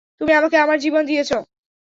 তুমি আমাকে আমার জীবন দিয়েছো।